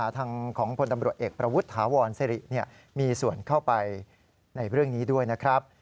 ทางของพลตำรวจเอกประวุฒิถาวรสิริมีส่วนเข้าไปในเรื่องนี้ด้วยนะครับ